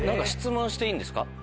質問していいんですか？